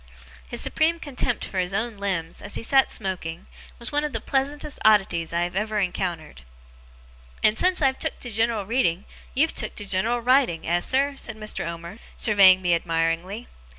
His supreme contempt for his own limbs, as he sat smoking, was one of the pleasantest oddities I have ever encountered. 'And since I've took to general reading, you've took to general writing, eh, sir?' said Mr. Omer, surveying me admiringly.